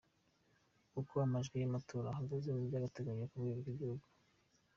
Uko amajwi y'amatora ahagaze by'agateganyo ku rwego rw'igihugu.